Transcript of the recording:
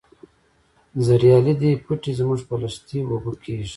زریالي دي پټی زموږ په لښتي اوبه کیږي.